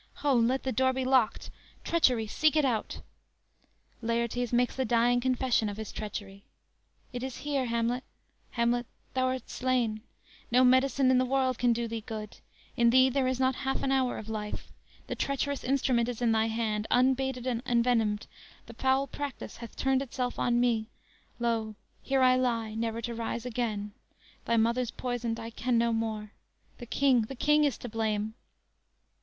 Ho! let the door be locked; Treachery! seek it out!"_ Laertes makes the dying confession of his treachery: _"It is here, Hamlet; Hamlet, thou art slain; No medicine in the world can do thee good, In thee there is not half an hour of life; The treacherous instrument is in thy hand, Unbated and envenomed; the foul practice Hath turned itself on me, lo, here I lie, Never to rise again; thy mother's poisoned; I can no more; the King, the King is to blame!"